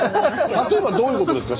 例えばどういうことですか